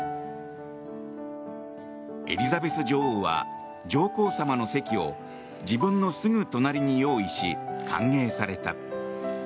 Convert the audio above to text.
エリザベス女王は上皇さまの席を自分のすぐ隣に用意し歓迎された。